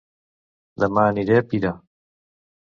Dema aniré a Pira